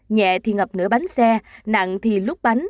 nhẹ thì ngập nửa bánh xe nặng thì lúc